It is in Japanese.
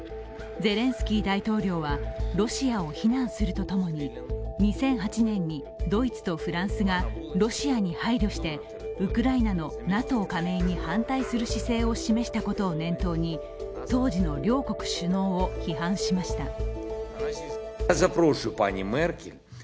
ゼレンスキー大統領はロシアを非難するとともに２００８年にドイツとフランスがロシアに配慮してウクライナのＮＡＴＯ加盟に反対する姿勢を示したことを念頭に当時の両国首脳を批判しました。